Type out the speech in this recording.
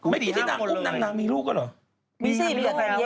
ไม่ดีที่นางอุ้มนางนางมีลูกอะเหรอ